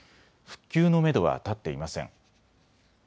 復旧のめどは立っていません。